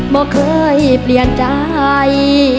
บอกเคยเปลี่ยนใจ